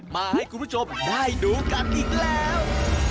มาให้คุณผู้ชมได้ดูกันอีกแล้ว